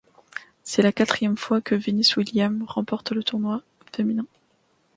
C'est la quatrième fois que Venus Williams remporte le tournoi féminin.